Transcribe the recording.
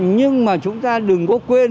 nhưng mà chúng ta đừng có quên